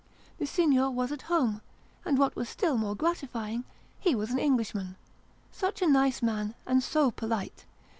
The Signor was at home, and, what was still more gratify ing, he was an Englishman ! Such a nice man and so polite